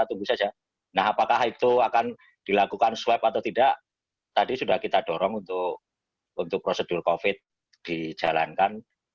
untuk prosedur covid sembilan belas dijalankan